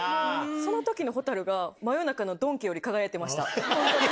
そのときの蛍が、真夜中のドンキより輝いてました。